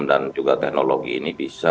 dan juga teknologi ini bisa